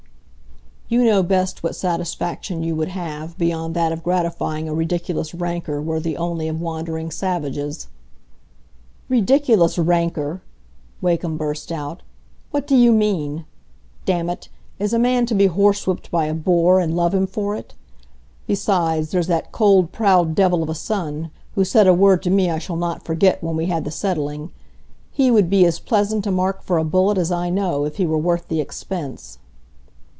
"You know best what satisfaction you would have, beyond that of gratifying a ridiculous rancor worthy only of wandering savages." "Ridiculous rancor!" Wakem burst out. "What do you mean? Damn it! is a man to be horsewhipped by a boor and love him for it? Besides, there's that cold, proud devil of a son, who said a word to me I shall not forget when we had the settling. He would be as pleasant a mark for a bullet as I know, if he were worth the expense."